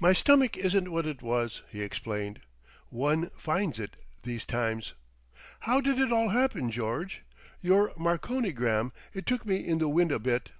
"My stomack isn't what it was," he explained. "One finds it—these times. How did it all happen, George? Your Marconigram—it took me in the wind a bit."